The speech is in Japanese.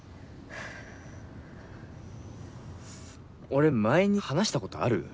俺前に話した事ある？